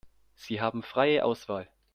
Sie haben freie Auswahl.